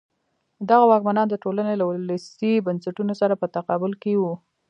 دغه واکمنان د ټولنې له ولسي بنسټونو سره په تقابل کې وو.